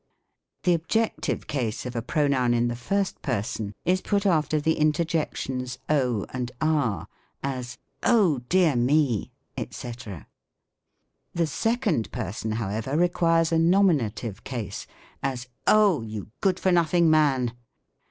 The objective case of a pronoun in the first pei'son is put after the interjections Oh ! and Ah ! as, " Oh ! dear me," &c. The second person, however, requires a nominative case : as, " Oh ! you good for.nothing man